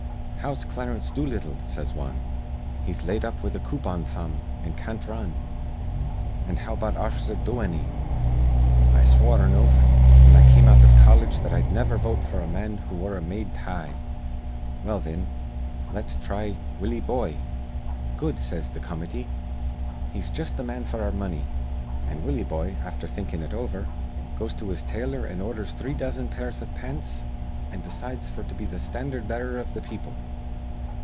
'How's Clarence Doolittle?' says wan. 'He's laid up with a coupon thumb, an' can't r run.' 'An' how about Arthur Doheny?' 'I swore an oath whin I came out iv colledge I'd niver vote f'r a man that wore a made tie.' 'Well, thin, let's thry Willie Boye.' 'Good,' says th' comity. 'He's jus' th' man f'r our money.' An' Willie Boye, after thinkin' it over, goes to his tailor an' ordhers three dozen pairs iv pants, an' decides f'r to be th' sthandard bearer iv th' people.